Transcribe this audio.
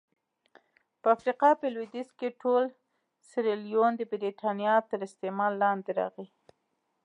په افریقا په لوېدیځ کې ټول سیریلیون د برېټانیا تر استعمار لاندې راغی.